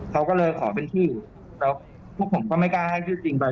เขาก็เลยขอเป็นชื่ออยู่แล้วพวกผมก็ไม่กล้าให้ชื่อจริงไป